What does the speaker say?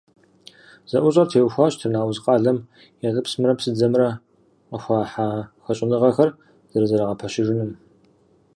ЗэӀущӀэр теухуат Тырныауз къалэм ятӀэпсымрэ псыдзэмрэ къыхуахьа хэщӀыныгъэхэр зэрызэрагъэпэщыжынум.